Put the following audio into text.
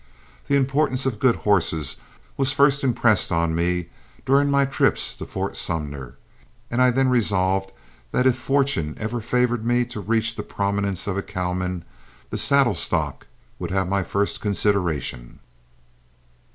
The importance of good horses was first impressed on me during my trips to Fort Sumner, and I then resolved that if fortune ever favored me to reach the prominence of a cowman, the saddle stock would have my first consideration.